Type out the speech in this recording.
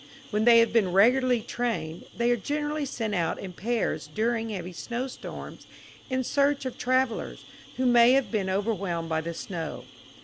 When they have been regularly trained, they are generally sent out in pairs during heavy snow storms in search of travellers, who may have been overwhelmed by the snow.